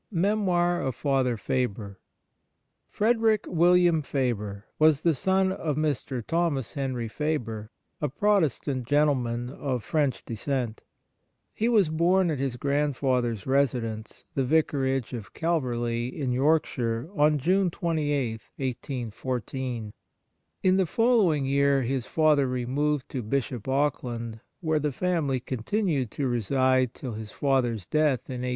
MEMOIR OF FATHER FABER Frederick William Faber was the son of Mr. Thomas Henry Faber, a Protestant gentleman of French descent. He was born at his grandfather's residence, the Vicarage of Calverley, in Yorkshire, on June 28, 1814. In the following year his father removed to Bishop Auckland, where the family continued to reside till his father's death in 1833.